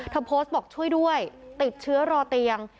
โพสต์บอกช่วยด้วยติดเชื้อรอเตียง